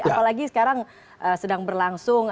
apalagi sekarang sedang berlangsung